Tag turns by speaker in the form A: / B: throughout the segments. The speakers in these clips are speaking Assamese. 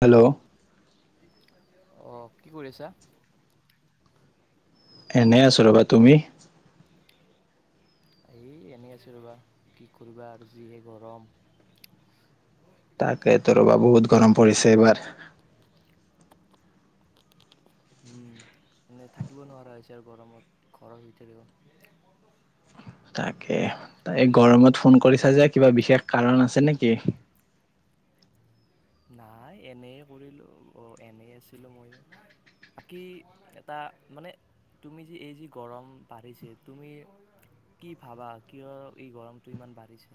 A: হেল্ল'।
B: অ', কি কৰি আছা?
A: এনেই আছো ৰ'বা তুমি?
B: এই এনেই আছো ৰ'বা কি কৰিবা আৰু যিহে গৰম।
A: তাকেতো ৰ'বা বহুত গৰম পৰিছে এইবাৰ।
B: মে থাকিব নোৱাৰা হৈছে আৰু গৰমত ঘৰৰ ভিতৰেও।
A: তাকে তা এই গৰমত ফোন কৰিছা যে। কিবা বিশেষ কাৰণ আছে নেকি?
B: নাই এনে কৰিলো অ', এনেই আছিলো ময়ো বাকী এটা মানে তুমি যি এই যি গৰম বাঢ়িছে তুমি কি ভাবা কিয় এই গৰমটো ইমান বাঢ়িছে?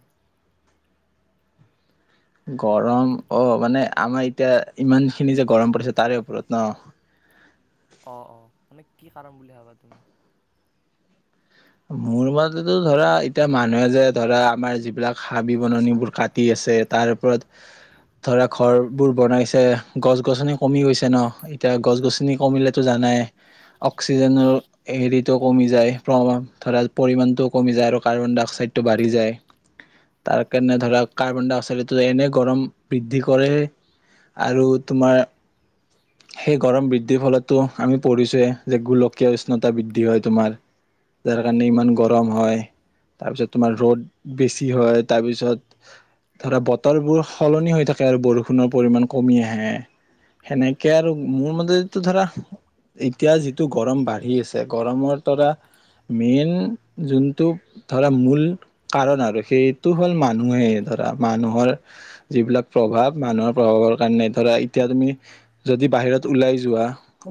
A: গৰম অ', মানে আমাৰ এতিয়া ইমানখিনি যে গৰম পৰিছে তাৰে ওপৰত ন'?
B: অ', অ', মানে কি কাৰণ বুলি ভাবা তুমি?
A: মোৰ মতেতো ধৰা এতিয়া মানুহে যে ধৰা আমাৰ যিবিলাক হাবি বননিবোৰ কাটি আছে তাৰ ওপৰত ধৰা ঘৰবোৰ বনাইছে গছ গছনি কমি গৈছে ন' এতিয়া গছ গছনি কমিলেতো জানাই অক্সিজেনৰ হেৰিটো কমি যায়। ধৰা পৰিমাণটোও কমি যায় আৰু কাৰ্বন ডাই অক্সাইডটো বাঢ়ি যায় তাৰ কাৰণে ধৰা কাৰ্বন ডাই অক্সাইডত এনে গৰম বৃদ্ধি কৰে আৰু তোমাৰ সেই গৰম বৃদ্ধিৰ ফলতো আমি পঢ়িছোঁৱে যে গোলকীয় উষ্ণতা বৃদ্ধি হয় তোমাৰ যাৰ কাৰণে ইমান গৰম হয় তাৰপিছত তোমাৰ ৰ'দ বেছি হয় তাৰপিছত ধৰা বতৰবোৰ সলনি হৈ থাকে আৰু বৰষুণৰ পৰিমাণ কমি আহে সেনেকে আৰু মোৰ মতে ধৰা এতিয়া যিটো গৰম বাঢ়ি আছে গৰমৰ তৰা মেইন যোনটো ধৰা মূল কাৰণ আৰু সেইটো হ'ল মানুহে ধৰা মানুহৰ যিবিলাক প্ৰভাৱ মানুহৰ প্ৰভাৱৰ কাৰণে ধৰা এতিয়া তুমি যদি বাহিৰত ওলাই যোৱা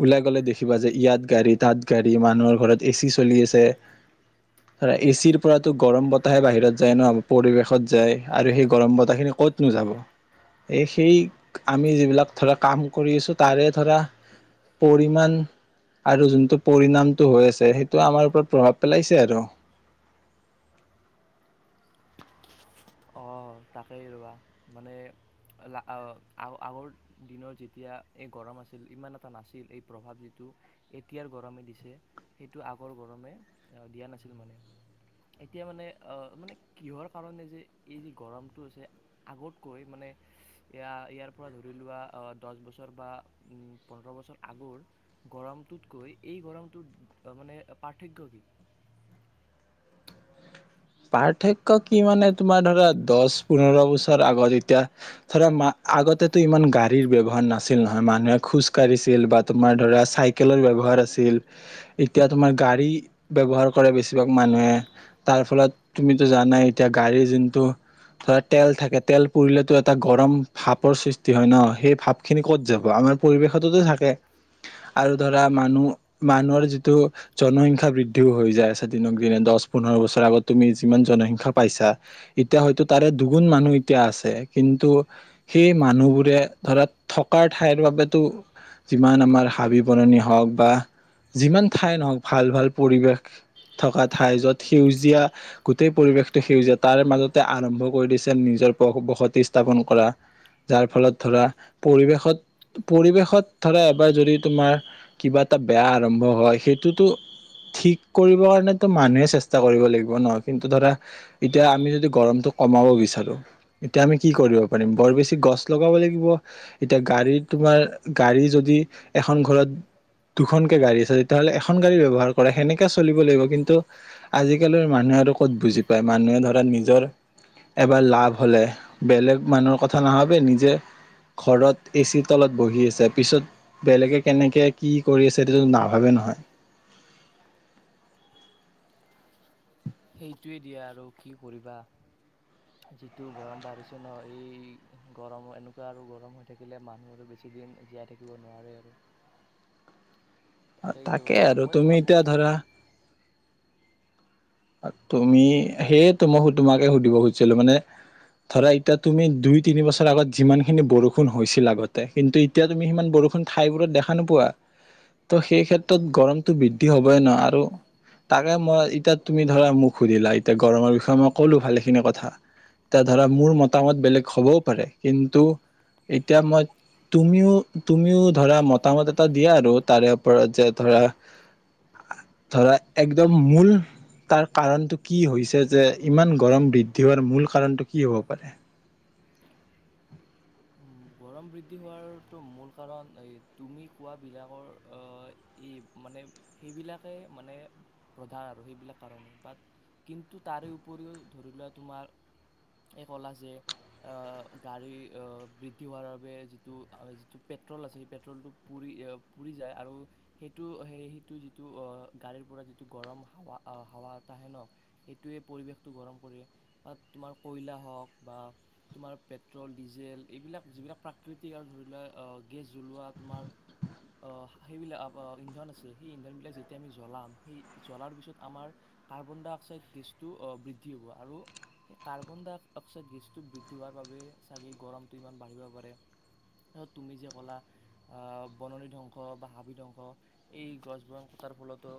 A: ওলাই গ'লে দেখিবা যে ইয়াত গাড়ী তাত গাড়ী মানুহৰ ঘৰত এ চি চলি আছে। ধৰা এচিৰ পৰাতো গৰম বতাহে বাহিৰত যায় ন' পৰিৱেশত যায় আৰু সেই গৰম বতাহ খিনি ক'ত নোযাব এই সেই আমি যিবিলাক ধৰা কাম কৰি আছো তাৰে ধৰা পৰিমানমান আৰু যোনটো পৰিণামটো হৈ আছে সেইটো আমাৰ ওপৰত প্ৰভাৱ পেলাইছে আৰু।
B: অ', তাকেই ৰ'বা মানে আগৰ দিনৰ যেতিয়া এই গৰম আছিল ইমান এটা নাছিল এই প্ৰভাৱ যিটো এতিয়াৰ গৰমে দিছে সেইটো আগৰ গৰমে দিয়া নাছিল মানে এতিয়া মানে মানে কিহৰ কাৰণে যে এই যি গৰমটো আছে আগতকৈ মানে এ ইয়াৰ পৰা ধৰি লোৱা দহ বছৰ বা পোন্ধৰ বছৰ আগৰ গৰমটোতকৈ এই গৰমটোত মানে পাৰ্থক্য কি?
A: পাৰ্থক্য কি মানে তোমাৰ ধৰা দছ পোন্ধৰ বছৰ আগত এতিয়া ধৰা আগতেতো ইমান গাড়ীৰ ব্যৱহাৰ নাছিল নহয় মানুহে খোজ কাঢ়িছিল বা তোমাৰ ধৰা চাইকেলৰ ব্যৱহাৰ আছিল এতিয়া তোমাৰ গাড়ী ব্যৱহাৰ কৰে বেছিভাগ মানুহে তাৰ ফলত তুমিটো জানাই এতিয়া গাড়ীৰ যোনটো ধৰা তেল থাকে তেল পৰিুলেতো এটা গৰম ভাপৰ সৃষ্টি হয় ন সেই ভাপ খিনি কত যাব আমাৰ পৰিৱেশততো থাকে আৰু ধৰা মানুহ মানুহৰ যিটো জনসংখ্যা বৃদ্ধিও হৈ যায় আছে দিনক দিনে দছ পোন্ধৰ বছৰ আগত তুমি যিমান জনসংখ্যা পাইছা এতিয়া হয়তো তাৰে দুগুণ মানুহ এতিয়া আছে কিন্তু সেই মানুহবোৰে ধৰা থকাৰ ঠাইৰ বাবেতো যিমান আমাৰ হাবি- বননি হওঁক বা যিমান ঠাই নহওক ভাল ভাল পৰিৱেশ থকা ঠাই য'ত সেউজীয়া গোটেই পৰিৱেশটো সেউজীয়া তাৰ মাজতে আৰম্ভ কৰি দিছে নিজৰ বসতি স্থাপন কৰা যাৰ ফলত ধৰা পৰিৱেশত পৰিৱেশত ধৰা এবাৰ যদি তোমাৰ কিবা এটা বেয়া আৰম্ভ হয় সেইটোতো ঠিক কৰিব কাৰণো মানুহে চেষ্টা কৰিব লাগিব। ন' কিন্তু ধৰা এতিয়া আমি যদি গৰমটো কমাব বিচাৰো এতিয়া আমি কি কৰিব পাৰিম বৰ বেছি গছ লগাব লাগিব এতিয়া গাড়ী তোমাৰ গাড়ী যদি এখন ঘৰত দুখনকে গাড়ী আছে তেতিয়াহ'লে এখন গাড়ী ব্যৱহাৰ কৰে সেনেকাে চলিব লাগিব কিন্তু আজিকালি মানুহ আৰু ক'ত বুজি পায় মানুহে ধৰা নিজ নিজৰ এবাৰ লাভ হ'লে বেলেগ মানুহৰ কথা নাভাবে নিজে ঘৰত এচিৰ তলত বহি আছে পিছত বেলেগে কেনেকে কি কৰি আছে সেইটো নাভাবে নহয়।
B: সেইটোৱে দিয়া আৰু কি কৰিবা যিটো গৰম বাঢ়িছে ন' এই গৰম এনেকুৱা আৰু গৰম হৈ থাকিলে মানুহ আৰু বেছিদিন জীয়াই থাকিব নোৱাৰে আৰু। তাকেইতো
A: তাকে আৰু
B: মই
A: তুমি
B: ভাবোঁ
A: এতিয়া
B: যে
A: ধৰা তুমি সেইয়েতো মই তোমাকে সুধিব খুজিছিলো মানে ধৰা এতিয়া তুমি দুই তিনি বছৰ আগত যিমান খিনি বৰষুণ হৈছিল আগতে কিন্তু এতিয়া তুমি সিমান বৰষুণ ঠাইবোৰত দেখা নোপোৱা ত' সেই ক্ষেত্ৰত গৰমতটো বৃদ্ধি হ'বই ন' আৰু তাকে মই এতিয়া তুমি ধৰা মোক সুধিলা এতিয়া গৰমৰ বিষয়ে মই ক'লো ভালেখিনি কথা এতিয়া ধৰা মোৰ মতামত বেলেগ হ'বও পাৰে কিন্তু এতিয়া মই তুমিও তুমিও ধৰা মতামত এটা দিয়া আৰু তাৰে ওপৰত যে ধৰা ধৰা একদম মূল তাৰ কাৰণটো কি হৈছে যে ইমান গৰম বৃদ্ধি হোৱাৰ মূল কাৰণটো কি হ'ব পাৰে।
B: গৰম বৃদ্ধি হোৱাৰটো মূল কাৰণ এই তুমি কোৱাবিলাকৰ এই মানে সেইবিলাকে মানে প্ৰধান আৰু সেইবিলাক কাৰণে বাট কিন্তু তাৰে উপৰিও ধৰি লোৱা তোমাৰ এই ক'লা যে গাড়ীৰ বৃদ্ধি উতিওৱাৰ বাবে যিটো যিটো পেট্ৰল আছে সেই পেট্ৰলটো পুৰি পুৰি যায় আৰু সেইটো সেই সেইটো যিটো গাড়ীৰ পৰা যিটো গৰম হাৱা হাৱা এটাহে ন' সেইটোৱে পৰিৱেশটো গৰম কৰে বা তোমাৰ কয়লা হওঁক বা তোমাৰ পেট্ৰ'ল ডিজেল এইবিলাক যিবিলাক প্ৰাকৃতিক আৰু ধৰি লোৱা গেছ জ্বলোৱা তোমাৰ সেইবিলাক ইন্ধন আছে সেই ইন্ধনবিলাক যেতিয়া আমি জ্বলাম সেই জ্বলাৰ পিছত আমাৰ কাৰ্বন ডাই অক্সাইড গেছটো বৃদ্ধি হ'ব আৰু সেই কাৰ্বন ডাই অক্সাইড গেছটো বৃদ্ধি হোৱাৰ বাবে চাগে গৰমটো ইমান তুমি ক'লা বননি ধ্বংস বা হাবি ধ্বংস এই গছ বন কাৰ ফলতো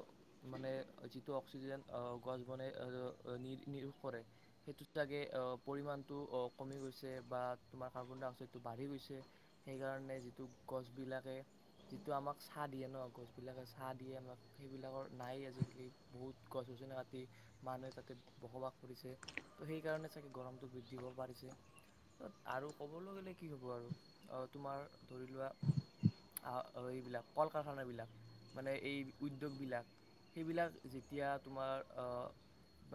B: মানে যিটো অক্সিজেন গছ বনাইোগ কৰে সেইটো চাগে পৰিমাণটো কমি গৈ বা ত কাৰ্বন নেই নাল মানুহে তা বসবাস কৰি সেইণ গৰ বৃদ্ধি প' কি হ'ব আৰু তোমাৰ ধৰি লোৱা এইবিলাক কল কাৰখানাবিলাক মানে এই উদ্যোগবিলাক সেইবিলাক যেতিয়া তোমাৰ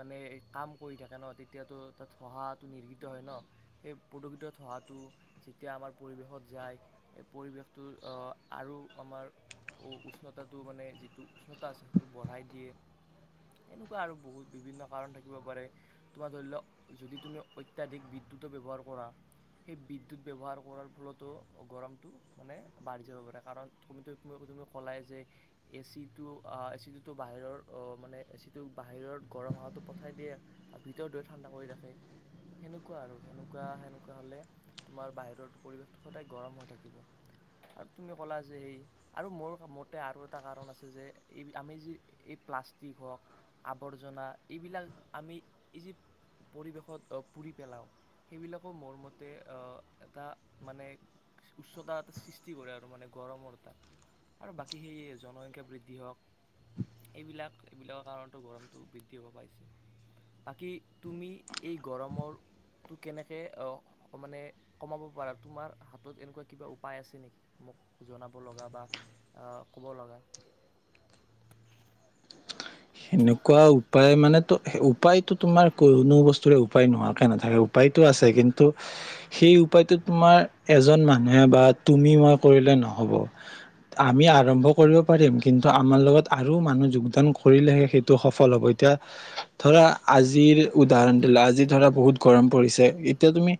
B: মানে কাম কৰি থাকে ন তেতিয়াতো তাত হহাটো নিৰ্গিত হয় ন সেই পদোগৃত হহাটো যেতিয়া আমাৰ পৰিৱেশত যায় পৰিৱেশটো আৰু আমাৰ উষ্ণতাটো মানে যিটো উষ্ণতা আছে সেইটো বঢ়াই দিয়ে এনেকুৱা আৰু বহুত বিভিন্ন কাৰণ থাকিব পাৰে তোমাৰ ধৰি লওক যদি তুমি অত্যাধিক বিদ্য়ুতো ব্যৱহাৰ কৰা সেইু বিদ্যুৎ ব্যৱহাৰ কৰাৰ ফলতো গৰমটো মানে বাঢ়ি যাব পাৰে কাৰণ কমি তুমি ক'লাই যে এচিটো এচিটোতো বাহিৰৰ মানে এ চিটো বাহিৰৰ গৰম হহাটো পঠাই দিয়ে আৰু ভিতৰ দৰে ঠাণ্ডা কৰি ৰাখে সেনেকুৱা আৰু সেনেকুৱা সেনেকুৱা হ'লে তোমাৰ বাহিৰৰ পৰিৱেশটো সদায় গৰম হৈ থাকিব আৰু তুমি ক'লা যে সেই আৰু মোৰ মতে আৰু এটা কাৰণ আছে যে এই আমি যি এই প্লাষ্টিক হওক আৱৰ্জনা এইবিলাক আমি এই যি পৰিৱেশত পুৰি পেলাওঁ সেইবিলাকো মোৰ মতে এটা মানে উচ্চতা এটা সৃষ্টি কৰে আৰু মানে গৰমৰ তটা আৰু বাকী সেই জনসংখ্যা বৃদ্ধি হওক এইবিলাক এইবিলাকৰ কাৰণতো গৰমটো বৃদ্ধি হ'ব পাইছে বাকী তুমি এই গৰমৰটো কেনেকৈ মানে কমাব পাৰা তোমাৰ হাতত এনেকুৱা কিবা উপায় আছে নেকি মোক জনাব লগা বা ক'ব লগা
A: সেনেকুৱা উপায় মানেো উপায়তো তোমাৰ কোনো বস্তুৰে উপায় নোহোৱাকে নাথাকে উপায়তো আছে কিন্তু সেই উপায়টো তোমাৰ এজন মানুহে বা তুমি মই কৰিলে নহব আমি আৰম্ভ কৰিব পাৰিম কিন্তু আমাৰ লগত আৰু মানুহ যোগদান কৰিলেহে সেইটো সফল হ'ব এতিয়া ধৰা আজিৰ উদাহৰণ দিলা আজি ধৰা বহুত গৰম পৰিছে এতিয়া তুমি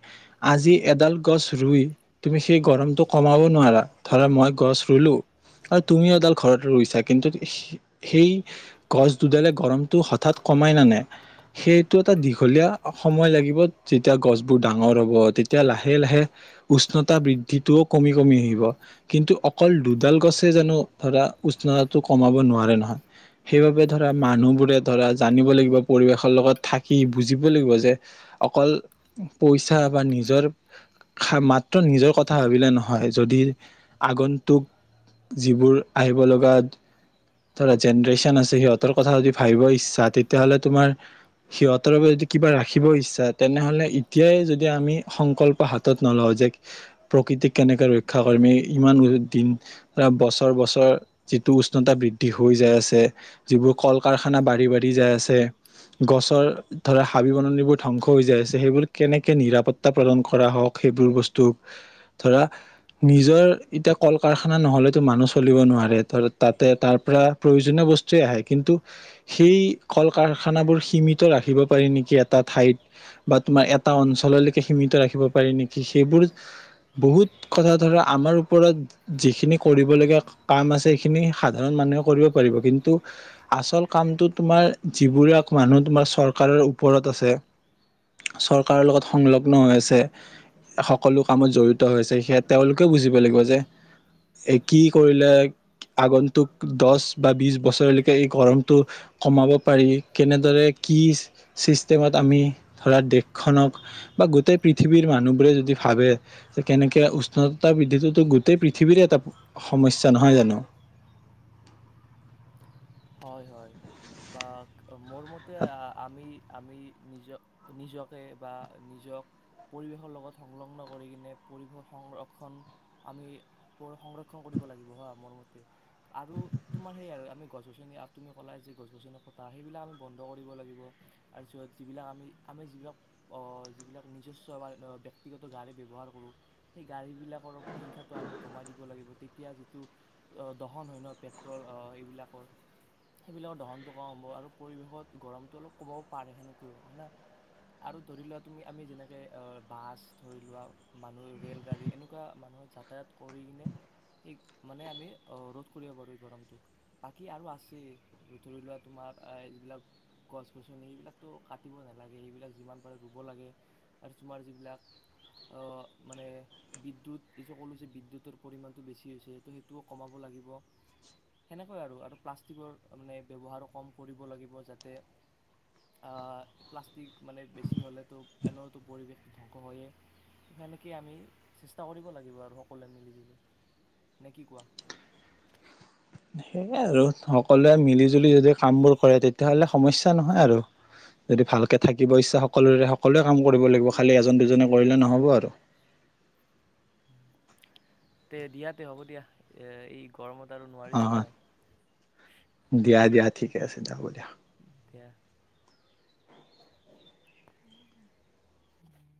A: আজি এডাল গছ ৰুই তুমি সেই গৰমটো কমাব নোৱাৰা ধৰা মই গছ ৰুলো আৰু তুমিও এডাল ঘৰত ৰুইছা কিন্তু সেই গছ দুডালে গৰমটো হঠাৎ কমাই নানে সেইটো এটা দীঘলীয়া সময় লাগিব যেতিয়া গছবোৰ ডাঙৰ হ'ব তেতিয়া লাহে লাহে উষ্ণতা বৃদ্ধিটোও কমি কমি আহিব কিন্তু অকল দুডাল গছে জানো ধৰা উষ্ণতাটো কমাব নোৱাৰে নহয় সেইবাবে ধৰা মানুহবোৰে ধৰা জানিব লাগিব, পৰিৱেশৰ লগত থাকি বুজিব লাগিব যে অকল পইচা বা নিজৰ [unintelligible] মাত্ৰ নিজৰ কথা ভাবিলে নহয় যদি আগন্তুক যিবোৰ আহিব লগা ধৰা জেনৰেচন [unintelligible] আছে সিহঁতৰ কথা যদি ভাবিব ইচ্ছা, তেতিয়াহ'লে তোমাৰ সিহঁতৰ বাবে যদি কিবা ৰাখিব ইচ্ছা, তেনেহ'লে এতিয়াই যদি আমি সংকল্প হাতত নলওঁ যে প্ৰকৃতিক কেনেকে ৰক্ষা কৰ্মী, ইমান [unintelligible] দিন বছৰ বছৰ যিটো উষ্ণতা বৃদ্ধি হৈ যায় আছে যিবোৰ কল-কাৰখানা বাঢ়ি বাঢ়ি যাই আছে, গছৰ ধৰা হাবি-বননিবোৰ ধ্বংস হৈ যাই আছে, সেইবোৰ কেনেকে নিৰাপত্তা প্ৰদান কৰা হওঁক সেইবোৰ বস্তুক, ধৰা নিজৰ এতিয়া কল-কাৰখানা নহ'লেতো মানুহ চলিব নোৱাৰে ধৰা তাতে তাৰ পৰা প্ৰয়োজনীয় বচ [unintelligible] আহে কিন্তু সেই কল কাৰখানাবোৰ সীমিত ৰাখিব পাৰি নেকি এটা ঠাইত বা তোমাৰ এটা অঞ্চললৈকে সীমিত ৰাখিব পাৰি নেকি সেইবোৰ বহুত কথা, ধৰা আমাৰ ওপৰত যিখিনি কৰিবলগীয়া কাম আছে, সেইখিনি সাধাৰণ মানুহে কৰিব পাৰিব কিন্তু আচল কামটো তোমাৰ যিবোৰে আকৌ মানুহ তোমাৰ চৰকাৰৰ ওপৰত আছে, চৰকাৰৰ লগত সংলগ্ন হৈ আছে, সকলো কামত জড়িত হৈ আছে, সেয়া তেওঁলোকেও বুজিব লাগিব যে এ কি কৰিলে আগন্তুক দছ বা বিছ বছ [unintelligible] এই গৰমটো কমাব পাৰি, কেনেদৰে কি চিষ্টেমত আমি ধৰা দেশখনক বা গোটেই পৃথিৱীৰ মানুহবোৰে যদি ভাবে! কেনেকে উষ্ণতা বৃদ্ধিটোতো গোটেই পৃথিৱীৰে এটা সমস্যা নহয় জানো?
B: হয় হয়, বা মোৰ মতে আমি-আমি নিজক, নিজকে বা নিজক পৰিৱেশৰ লগত সংলগ্ন কৰি কিনে পৰিৱেশৰ সংৰক্ষণ আমি সংৰক্ষণ কৰিব লাগিব হা মোৰ মতে আৰু তোমাৰ সেই আৰু আমি গছ-গছনি আৰু তুমি ক'লা যে গছ গছনি কটা সেইবিলাক আমি বন্ধ কৰিব লাগিব, আৰু য'ত যিবিলাক আমি-আমি যিবিলাক যিবিলাক নিজস্ব আমাৰ ব্যক্তিগত গাড়ী ব্যৱহাৰ কৰোঁ, সেই গাড়ীবিলাকৰ সংখ্যাটো আমি কমাই দিব লাগিব তেতিয়া যিটো দহন হয় ন' পেট্ৰল এইবিলাক সেইবিলাকৰ দহনটো কম হ'ব আৰু পৰিৱেশত গৰমটো অলপ কমাব পাৰে কিন্ত হয় না, আৰু ধৰি লোৱা তুমি আমি যেনেকে অ - বাছ ধৰি লোৱা মানুহ ৰেল গাড়ী এনেকুৱা মানুহে যাতায়াত কৰি কিনে মানে আমি অ - ৰোধ কৰিব পাৰোঁ, এই গৰমটোক। বাকী আৰু আছেই! ধৰি লোৱা তোমাৰ আই যিবিলাক গছ-গছনি সেইবিলাকতো কাটিব নেলাগেই, সেইবিলাক যিমান পাৰে ৰুব লাগে আৰু তোমাৰ যিবিলাক অ - মানে বিদ্যুৎ এই [unintelligible] ক'লোঁ যে বিদ্যুতৰ পৰিমাণটো বেছি হৈছে ত' হেইটোও কমাব লাগিব সেনেক হয় আৰু! আৰু প্লাষ্টিকৰ মানে ব্যৱহাৰো কম কৰিব লাগিব যাতে প্লাষ্টিক মানে বেছি হ'লেতো এনেওতো পৰিৱেশটো ধ্বংস হ'য়েই, সেনেকেই আমি চেষ্টা কৰিব লাগিব আৰু সকলোৱে মিলি-জুলি, নে কি কোৱা?
A: হেইয়াই আৰু সকলোৱে মিলি-জুলি যদি কাম বোৰ কৰে তেতিয়াহ'লে সমস্যা নহয় আৰু যদি ভালকে থাকিব ইচ্ছা সকলোৰে সকলোৱে কাম কৰিব লাগিব, খালি এজন দুজনে কৰিলে নহ'ব আৰু।
B: তে দিয়া তে হ'ব দিয়া! এ - এই গৰমত আৰু নোৱাৰিছোঁ
A: অ'-অ'
B: মই
A: দিয়া দিয়া। ঠিকে আছে দিয়া, হ'ব দিয়া।
B: এতিয়া [inaudible]